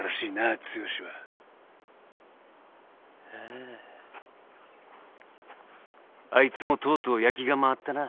あぁあいつもとうとう焼きが回ったな。